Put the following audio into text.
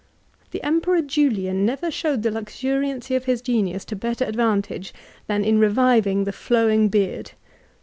The Emperor Jnhan never showed the faDcmiancy of his genins to better advantage than in reviving the flowing beard.